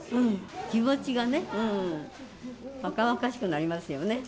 気持ちがね、若々しくなりますよね。